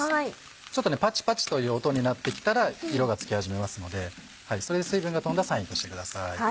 ちょっとパチパチという音になってきたら色がつきはじめますのでそれで水分が飛んだサインとしてください。